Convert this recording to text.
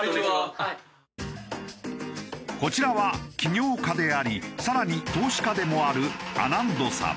こちらは起業家であり更に投資家でもあるアナンドさん。